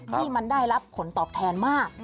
ที่มันได้รับผลตอบแทนมาก